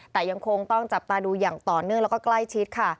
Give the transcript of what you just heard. แต่ยังคงต้องจับตาดูอย่างต่อเนื่องแล้วก็ใกล้ชิดค่ะ